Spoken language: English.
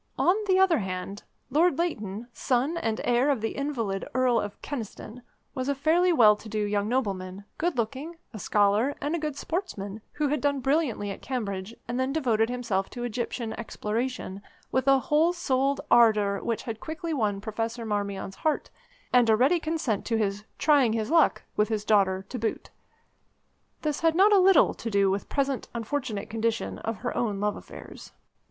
On the other hand, Lord Leighton, son and heir of the invalid Earl of Kyneston, was a fairly well to do young nobleman, good looking, a scholar, and a good sportsman, who had done brilliantly at Cambridge, and then devoted himself to Egyptian exploration with a whole souled ardour which had quickly won Professor Marmion's heart, and a ready consent to his "trying his luck" with his daughter to boot. This had not a little to do with the present unfortunate condition of her own love affairs.